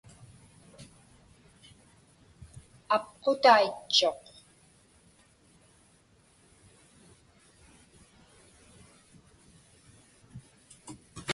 Apqutaitchuq.